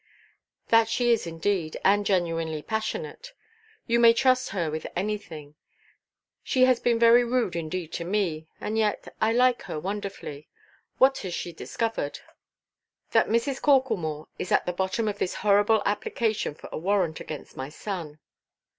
"That she is indeed, and genuinely passionate; you may trust her with anything. She has been very rude indeed to me; and yet I like her wonderfully. What has she discovered?" "That Mrs. Corklemore is at the bottom of this horrible application for a warrant against my son."